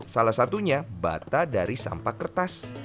salah satunya bata dari sampah kertas